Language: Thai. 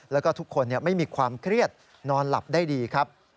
แล้วก็ทุกคนไม่มีความเครียดนอนหลับได้ดีครับ